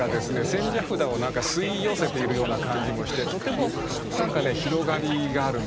千社札を吸い寄せているような感じもしてとても何かね広がりがあるんですね。